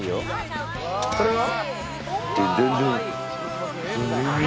これは？